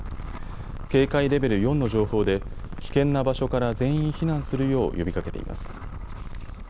警戒レベル４の情報で危険な場所から全員避難するよう呼びかけています。